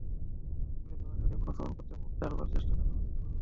খুলে যাওয়া দাড়ি পুনঃস্থাপন করতে মোট চারবার চেষ্টা চালান অভিযুক্ত কর্মীরা।